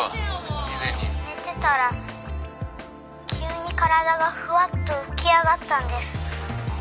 「寝てたら急に体がフワッと浮き上がったんです。